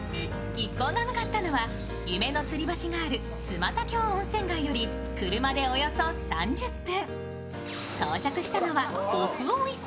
一行が向かったのは夢のつり橋がある寸又峡温泉街より車でおよそ３０分。